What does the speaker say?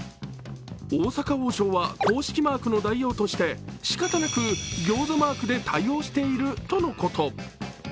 大阪王将は公式マークの代用としてしかたなくギョーザマークで対応しているとのこと。